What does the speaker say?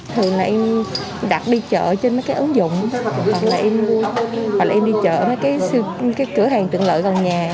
thường là em đặt đi chợ trên mấy cái ứng dụng hoặc là em đi chợ ở mấy cái cửa hàng tiện lợi gần nhà